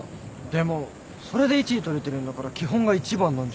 でもそれで１位取れてるんだから基本が一番なんじゃ。